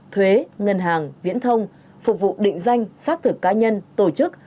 thuế ngân hàng viễn thông phục vụ định danh xác thực cá nhân tổ chức